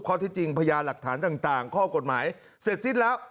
ที่จริงพยานหลักฐานต่างข้อกฎหมายเสร็จสิ้นแล้ว